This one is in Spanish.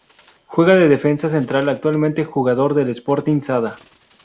Juega de defensa central Actualmente jugador del Sporting Sada.